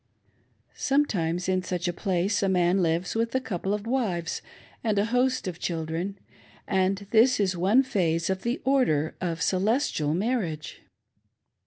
Sometimes in such a place a man lives with a couple of wives and a host of children, and this is one phase of the order of " Celestial Marriage."